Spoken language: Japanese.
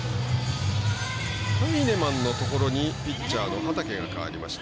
ハイネマンのところにピッチャーの畠が代わりました。